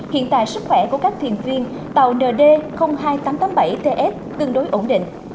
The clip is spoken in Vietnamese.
hiện tại sức khỏe của các thuyền viên tàu nd hai nghìn tám trăm tám mươi bảy ts tương đối ổn định